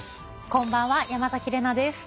こんばんは山崎怜奈です。